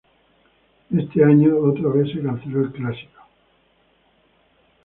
Ese año de otra vez se canceló el clásico.